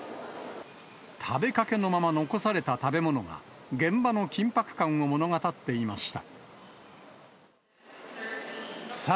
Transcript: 食べかけのまま残された食べ物が、現場の緊迫感を物語っていました。